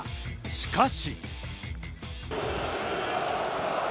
しかし。